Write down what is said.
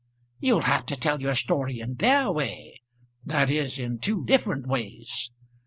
You'll have to tell your story in their way; that is, in two different ways.